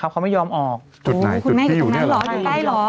เขาไม่ยอมออกคุณแม่อยู่ตรงนั้นเหรออยู่ใกล้เหรอ